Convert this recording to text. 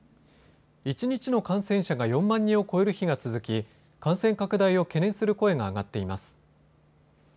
一日の感染者が４万人を超える日が続き感染拡大を懸念する声が上がっています。